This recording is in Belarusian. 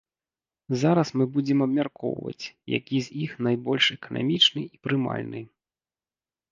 Зараз мы будзем абмяркоўваць, які з іх найбольш эканамічны і прымальны.